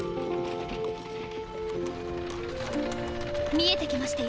見えてきましてよ。